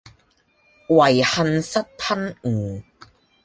遺恨失吞吳